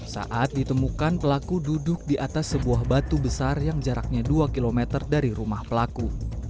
saat ditemukan pelaku duduk di atas sebuah batu besar yang jaraknya dua km dari rumah pelaku